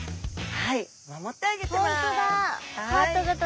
はい！